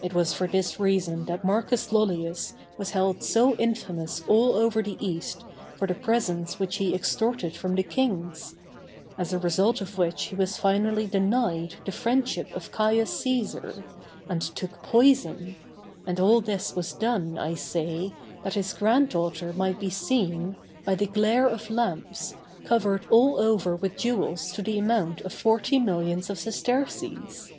It was for this reason that Marcus Lollius was held so infamous all over the East for the presents which he extorted from the kings; as a result of which he was finally denied the friendship of Caius Cæsar, and took poison; and all this was done, I say, that his granddaughter might be seen, by the glare of lamps, covered all over with jewels to the amount of forty millions of sesterces!